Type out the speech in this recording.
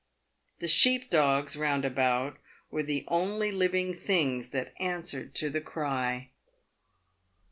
The sheep dogs round about were the only living things that answered to the cry.